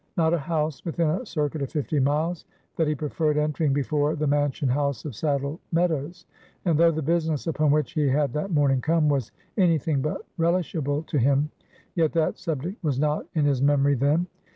Not a house within a circuit of fifty miles that he preferred entering before the mansion house of Saddle Meadows; and though the business upon which he had that morning come, was any thing but relishable to him, yet that subject was not in his memory then.